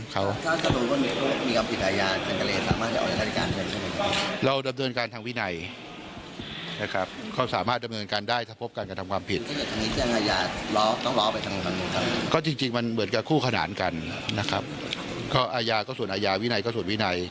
ก็อายาก็ส่วนอายาวินัยก็ส่วนวินัย